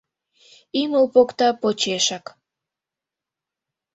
Ӱмыл покта почешак.